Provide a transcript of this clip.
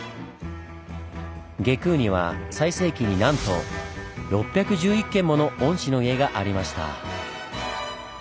外宮には最盛期になんと６１１軒もの御師の家がありました。